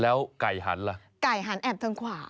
แล้วไก่หันล่ะไก่หันแอบทางขวา